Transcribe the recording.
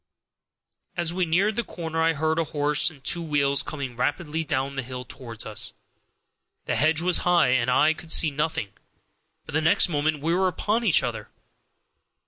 As we neared the corner I heard a horse and two wheels coming rapidly down the hill toward us. The hedge was high, and I could see nothing, but the next moment we were upon each other.